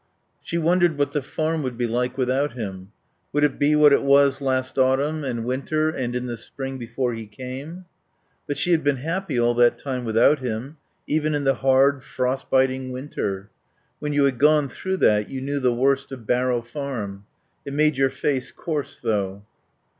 She wondered what the farm would be like without him. Would it be what it was last autumn and winter and in the spring before he came? But she had been happy all that time without him, even in the hard, frost biting winter. When you had gone through that you knew the worst of Barrow Farm. It made your face coarse, though.